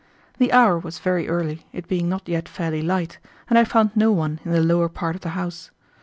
The hour was very early, it being not yet fairly light, and I found no one in the lower part of the house.